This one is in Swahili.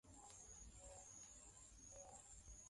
ngozi zilizozuia ndoa kati watu wa rangi tofauti